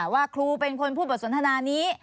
ว่าครูเป็นคนพูดบทสนทนานี้